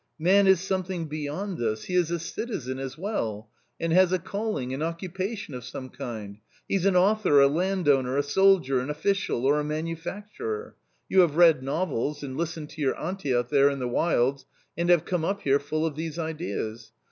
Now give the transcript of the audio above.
Man is something beyond this ; he is a citizen as well, and has a calling, an occupation of some kind — he's an author, a land owner, a soldier, an official, or a manufacturer. You have read novels, and listened to your auntie out there in the wilds, and have come up here full of these ideas.